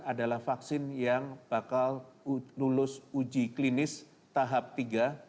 adalah vaksin yang bakal lulus uji klinis tahap tiga